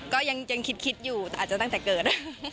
ก็ยังคิดอยู่แต่อาจจะตั้งแต่เกิด